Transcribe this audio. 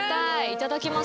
いただきます。